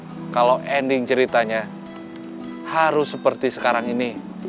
nah kalau ending ceritanya harus seperti sekarang ini